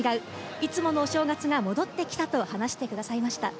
いつものお正月が戻ってきたと話してくださいました。